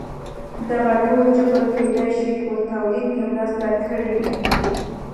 دغه ډول جبر کېدای شي په تولید کې مرسته کړې وي.